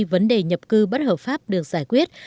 vấn đề nhập cư bất hợp pháp được giải quyết